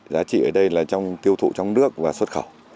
giá trị ở đây là trong tiêu thụ trong nước và xuất khẩu